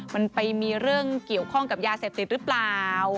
มันไปมีเรื่องเกี่ยวข้องกับยาเสพติดหรือเปล่า